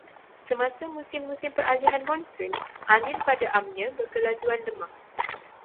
Semasa musim-musim peralihan monsun, angin pada amnya berkelajuan lemah.